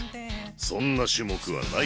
そんな種目はない。